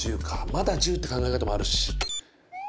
まだ１０って考え方もあるし。